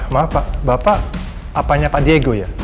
maaf pak bapak apanya pak diego ya